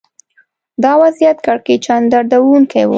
دا وضعیت کړکېچن دردونکی و